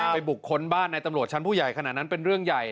ไปบุคคลบ้านในตำรวจชั้นผู้ใหญ่ขนาดนั้นเป็นเรื่องใหญ่